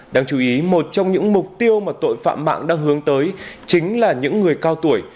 đáng chú ý một trong những mục tiêu mà tội phạm mạng đang hướng tới chính là những người cao tuổi